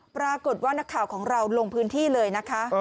ปรากฏว่านักข่าวของเราลงพื้นที่เลยนะคะ